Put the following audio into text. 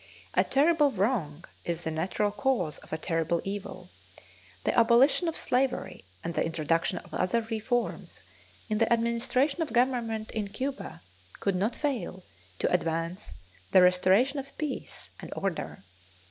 A terrible wrong is the natural cause of a terrible evil. The abolition of slavery and the introduction of other reforms in the administration of government in Cuba could not fail to advance the restoration of peace and order.